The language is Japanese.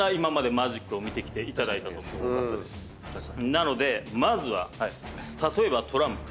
なのでまずは例えばトランプ。